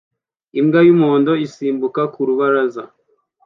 Imbwa y'umuhondo isimbuka ku rubaraza